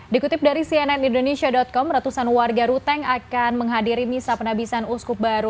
dikutip dari cnn indonesia com ratusan warga ruteng akan menghadiri misa penabisan uskup baru